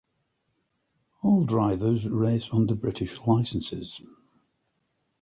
All drivers race under British licences.